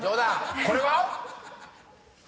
［これは？］